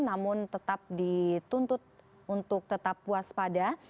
namun tetap dituntut untuk tetap waspada